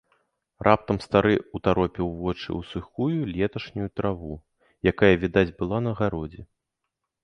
Раптам стары ўтаропіў вочы ў сухую леташнюю траву, якая відаць была на гародзе.